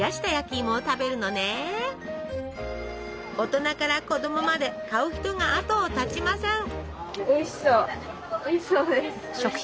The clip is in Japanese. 大人から子供まで買う人があとを絶ちません。